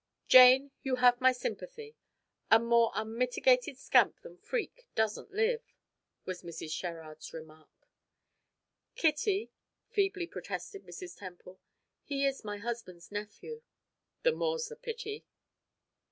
"Jane, you have my sympathy. A more unmitigated scamp than Freke doesn't live," was Mrs. Sherrard's remark. "Kitty," feebly protested Mrs. Temple, "he is my husband's nephew." "The more's the pity."